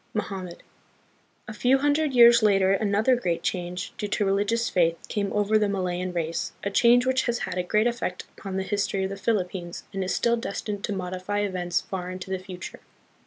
Mohammed. A few hundred years later another great change, due to religious faith, came over the Malayan race, a change which has had a great effect upon the history of the Philippines, and is still destined to modify events far into the future.